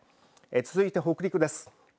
続いて北陸です。